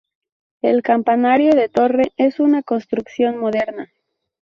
El campanario de torre es una construcción moderna.